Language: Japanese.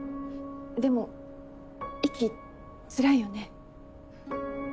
でも息つらいよね？